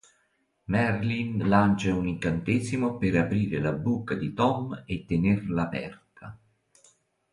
Merlin lancia un incantesimo per aprire la bocca di Tom e tenerla aperta.